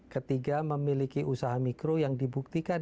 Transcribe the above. ketiga memiliki usaha mikro yang dibuktikan